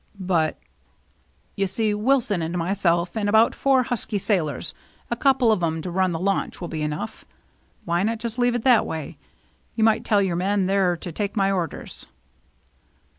"But —"" You see Wilson and myself, and about four husky sailors, a couple of 'em to run the launch, will be enough. Why not just leave it that way ? You might tell your men they're to take my orders."